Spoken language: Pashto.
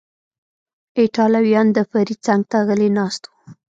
ایټالویان، د فرید څنګ ته غلی ناست و.